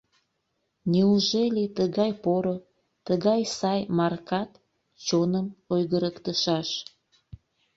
— Неужели тыгай поро, тыгай сай Маркат чоным ойгырыктышаш?»